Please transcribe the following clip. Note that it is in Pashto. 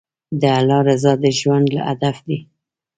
د الله رضا د ژوند هدف دی.